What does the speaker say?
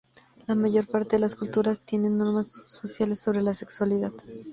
La mayor parte de las culturas tienen normas sociales sobre la sexualidad.